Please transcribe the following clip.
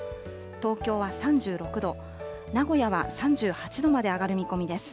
東京は３６度、名古屋は３８度まで上がる見込みです。